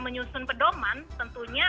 menyusun pedoman tentunya